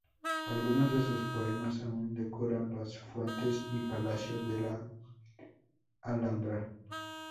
Algunos de sus poemas aun decoran las fuentes y palacios de la Alhambra.